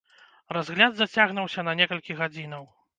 Разгляд зацягнуўся на некалькі гадзінаў.